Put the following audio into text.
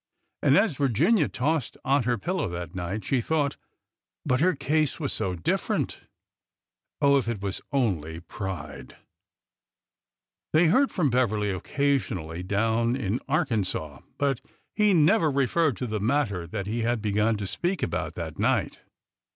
And as Virginia tossed on her pillow that night, she thought, " But her case was so different 1 ... Oh, if it was only pride 1 "' They heard from Beverly occasionally down in Arkan sas, but he never referred to the matter that he had begun to speak about that night.